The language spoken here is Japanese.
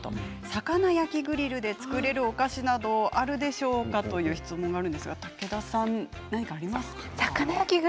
魚焼きグリルで作れるお菓子があるでしょうかという質問ですが武田さん、何かありますか。